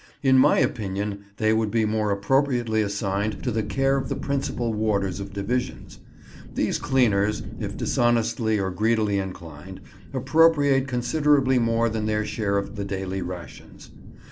In my opinion they would be more appropriately assigned to the care of the principal warders of divisions. These cleaners, if dishonestly or greedily inclined, appropriate considerably more than their share of the daily rations.